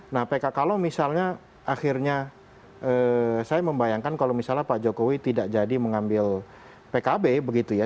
nah pk kalau misalnya akhirnya saya membayangkan kalau misalnya pak jokowi tidak jadi mengambil pkb begitu ya